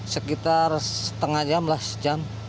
sekitar setengah jam lah sejam